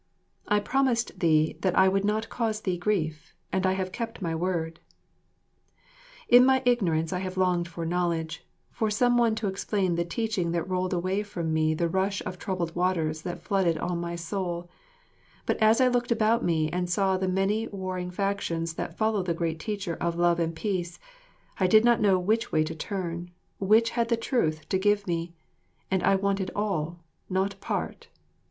I promised thee that I would not cause thee grief, and I have kept my word. In my ignorance I have longed for knowledge, for some one to explain the teaching that rolled away for me the rush of troubled waters that flooded all my soul; but as I looked about me and saw the many warring factions that follow the great Teacher of love and peace, I did not know which way to turn, which had the truth to give me; and I wanted all, not part.